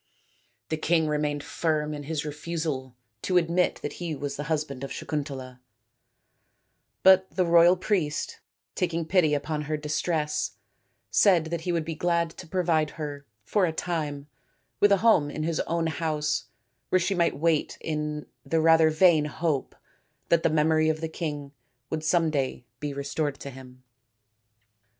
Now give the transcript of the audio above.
The king remained firm in his refusal to admit that he was the husband of Sakuntala, but the royal priest, taking pity upon her distress, said that he would be glad to provide her, for a time, with a home in his own house where she might wait in the rather vain hope that the memory of the king would some day be restored to him.